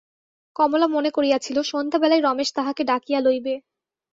কমলা মনে করিয়াছিল, সন্ধ্যাবেলায় রমেশ তাহাকে ডাকিয়া লইবে।